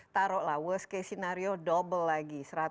taruh lah worst case scenario double lagi